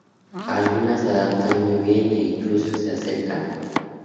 Algunas se adaptan muy bien e incluso se acercan.